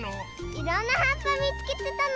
いろんなはっぱみつけてたの！